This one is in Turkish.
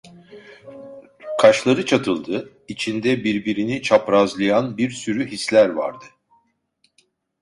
Kaşları çatıldı, içinde birbirini çaprazlayan bir sürü hisler vardı.